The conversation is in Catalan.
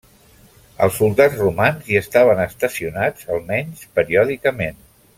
Els soldats romans hi estaven estacionats almenys periòdicament.